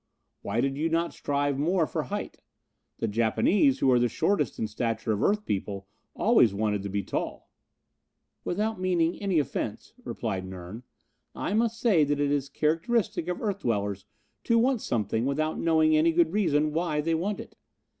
Why did you not strive more for height? The Japanese, who are the shortest in stature of earth people, always wanted to be tall." "Without meaning any offense," replied Nern, "I must say that it is characteristic of earth dwellers to want something without knowing any good reason why they want it.